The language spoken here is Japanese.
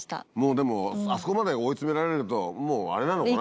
でもあそこまで追い詰められるともうあれなのかな。